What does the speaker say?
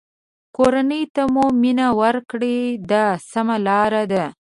کورنۍ ته مو مینه ورکړئ دا سمه لاره ده.